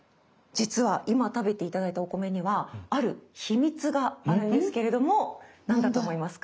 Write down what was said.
実は今食べて頂いたお米にはある秘密があるんですけれども何だと思いますか？